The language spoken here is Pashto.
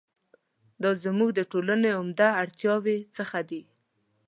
دا زموږ د ټولنو عمده اړتیاوو څخه دي.